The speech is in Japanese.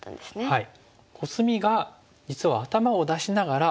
はい。